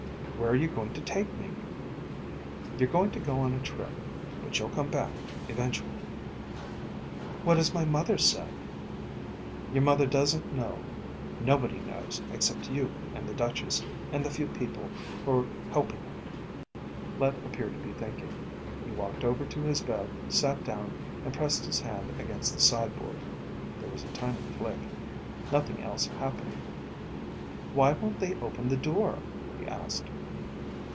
"Where are you going to take me?" "You're going to go on a trip. But you'll come back, eventually." "What has my mother said?" "Your mother doesn't know. Nobody knows except you and the Duchess, and the few people who're helping her." Let appeared to be thinking. He walked over to his bed, sat down, and pressed his heel against the side board. There was a tiny click. Nothing else happened. "Why won't they open the door?" he asked.